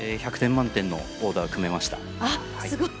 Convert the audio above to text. １００点満点のオーダーを組めました。